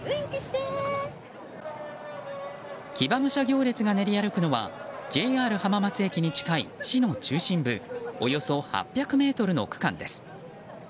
騎馬武者行列が練り歩くのはＪＲ浜松駅に近い市の中心部およそ８００ｍの区間です。